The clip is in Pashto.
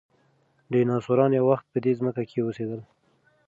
ډیناسوران یو وخت په دې ځمکه کې اوسېدل.